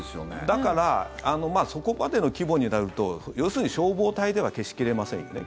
だからそこまでの規模になると要するに消防隊では消し切れませんよね。